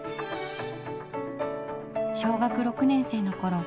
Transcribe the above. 小学６年生のころ